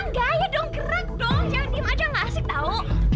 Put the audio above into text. rangga ayo dong gerak dong jangan diem aja gak asik tau